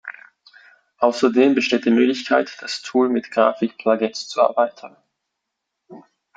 Außerdem besteht die Möglichkeit, das Tool mit Grafik-Plug-ins zu erweitern.